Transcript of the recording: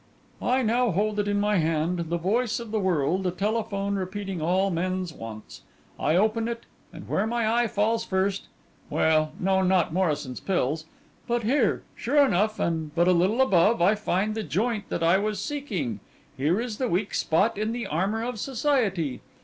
'I now hold it in my hand, the voice of the world, a telephone repeating all men's wants. I open it, and where my eye first falls—well, no, not Morrison's Pills—but here, sure enough, and but a little above, I find the joint that I was seeking; here is the weak spot in the armour of society.